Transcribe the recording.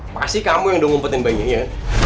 pasti kamu yang udah ngumpetin bayinya